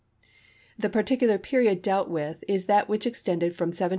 The particular period dealt with is that which extended from 722 B.